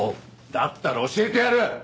だったら教えてやる！